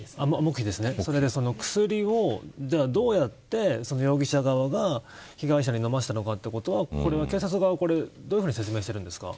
それで薬をどうやって容疑者側が被害者に飲ませたのかということはこれは警察が、どういうふうに説明してるんですか。